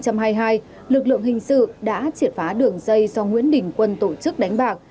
nhất ngày bảy tháng một mươi hai năm hai nghìn hai mươi hai lực lượng hình sự đã triệt phá đường dây do nguyễn đình quân tổ chức đánh bạc